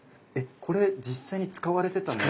これ実際に使われてたんですか？